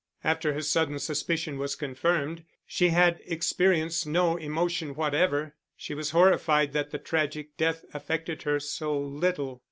After her sudden suspicion was confirmed, she had experienced no emotion whatever; she was horrified that the tragic death affected her so little.